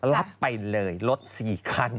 รับไปเลยรถ๔คัน